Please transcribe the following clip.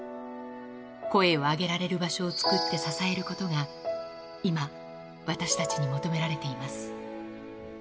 声を上げられる場所を作って支えることが今、私たちに求められています。